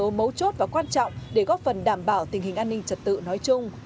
đây chính là yếu tố mấu chốt và quan trọng để góp phần đảm bảo tình hình an ninh trật tự nói chung